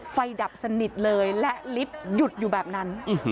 ดับสนิทเลยและลิฟต์หยุดอยู่แบบนั้น